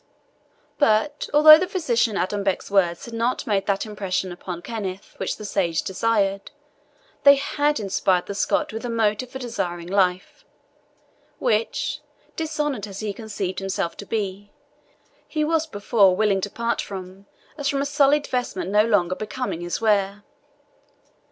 But although the physician Adonbec's words had not made that impression upon Kenneth which the sage desired, they had inspired the Scot with a motive for desiring life, which, dishonoured as he conceived himself to be, he was before willing to part from as from a sullied vestment no longer becoming his wear.